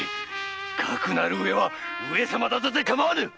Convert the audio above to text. かくなるうえは上様だとて構わぬ！